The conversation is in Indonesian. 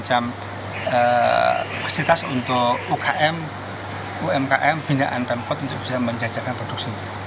jadi ada semacam fasilitas untuk umkm umkm bindaan tempat untuk bisa menjajakan produksinya